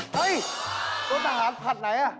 เฮ้ยตัวตาหาผัดไหน